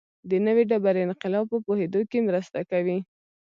د نوې ډبرې انقلاب په پوهېدو کې مرسته کوي